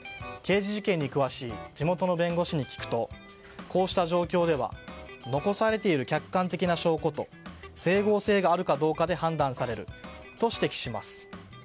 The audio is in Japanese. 刑事事件に詳しい地元の弁護士に聞くとこうした状況では残されている客観的な証拠と整合性があるかどうかで判断されると指摘します。